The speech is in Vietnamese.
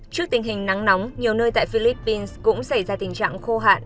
trước tình hình nắng nóng nhiều nơi tại philippines cũng xảy ra tình trạng khô hạn